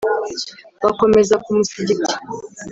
bakomeza ku musigiti